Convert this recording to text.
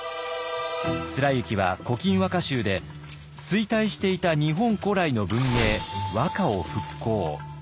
貫之は「古今和歌集」で衰退していた日本古来の文明和歌を復興。